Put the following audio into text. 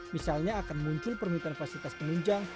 misalnya akan muncul permintaan fasilitas penunjang